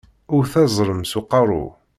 Wwet azrem s aqeṛṛu!